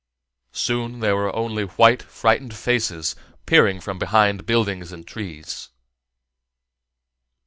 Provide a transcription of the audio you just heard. Soon there were only white, frightened faces peering from behind buildings and trees.